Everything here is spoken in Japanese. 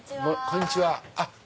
こんにちは。